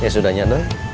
ya sudah nyadar